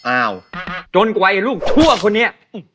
อ้าวจนกว่าไอ้ลูกชั่วคนนี้